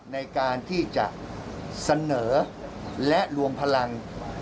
ในการที่จะเสนอและรวมพลัง